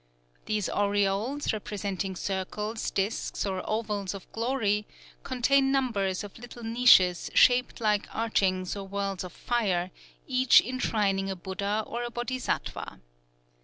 These aureoles, representing circles, disks, or ovals of glory, contain numbers of little niches shaped like archings or whirls of fire, each enshrining a Buddha or a Bodhisattva.